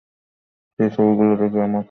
সেই ছবিগুলি দেখে আমাকে গাছ সম্পর্কে বলতে বলছেন।